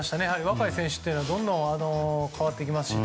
若い選手というのはどんどん変わっていきますし。